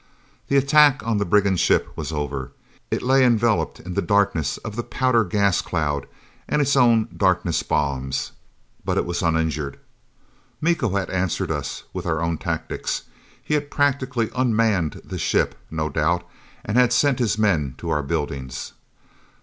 The attack on the brigand ship was over. It lay enveloped in the darkness of the powder gas cloud and its own darkness bombs. But it was uninjured. Miko had answered us with our own tactics. He had practically unmanned the ship, no doubt, and had sent his men to our buildings.